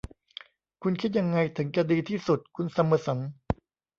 คุณคิดยังไงถึงจะดีที่สุด คุณซัมเมอร์สัน